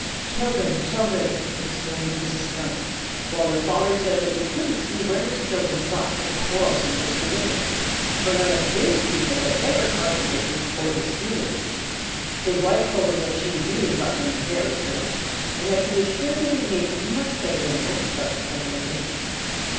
"Children! Children!" exclaimed Mrs. Skunk, while their father said that he couldn't see where his children got their quarrelsome disposition, for none of his people had ever contradicted or disputed. His wife told him that she really thought them very good, and that she was sure they behaved much better than most Skunks of their age.